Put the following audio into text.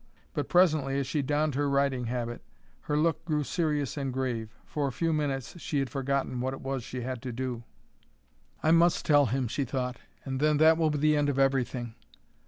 But presently, as she donned her riding habit, her look grew serious and grave. For a few minutes she had forgotten what it was she had to do. "I must tell him," she thought, "and then that will be the end of everything."